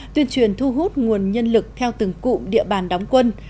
tuyên truyền thu hút nguồn nhân lực theo từng cụm địa bàn đóng quân